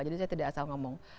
jadi saya tidak asal ngomong